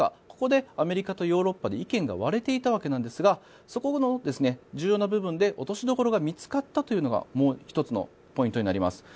ここでアメリカとヨーロッパで意見が割れていたわけなんですがそこの重要な部分で落としどころが見つかったのがもう１つのポイントになります。